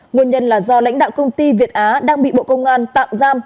nguyên nhân là do lãnh đạo công ty việt á đang bị bộ công an tạm giam